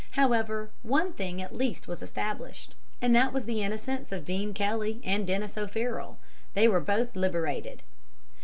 However, one thing at least was established, and that was the innocence of Dean Kelly and Denis O'Farroll. They were both liberated.